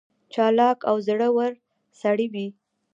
چالاک او زړه ور سړی وي.